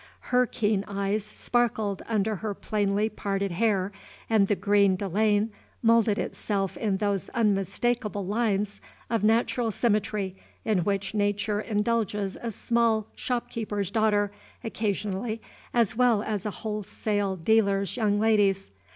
Her keen eyes sparkled under her plainly parted hair and the green de laine moulded itself in those unmistakable lines of natural symmetry in which Nature indulges a small shopkeeper's daughter occasionally as well as a wholesale dealer's young ladies.